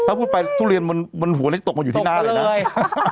ถ้าพูดไปทุเรียนมันหัวเล็กตกมาอยู่ที่หน้าเลยนะใช่